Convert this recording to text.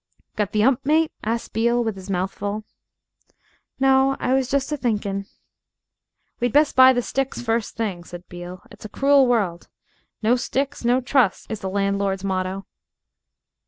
"Got the 'ump, mate?" asked Beale, with his mouth full. "No, I was just a thinkin'." "We'd best buy the sticks first thing," said Beale; "it's a cruel world. 'No sticks, no trust' is the landlord's motto."